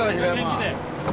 元気で！